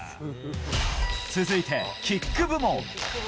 続いてキック部門。